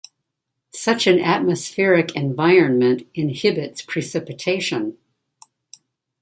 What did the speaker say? Such an atmospheric environment inhibits precipitation.